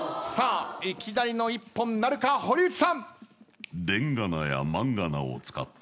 いきなりの一本なるか⁉堀内さん！